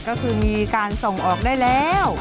ก็คือมีการส่งออกได้แล้ว